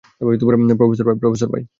Professor, ভাই।